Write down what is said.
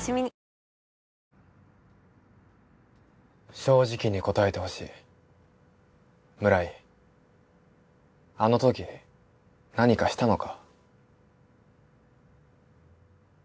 正直に答えてほしい村井あの時何かしたのか？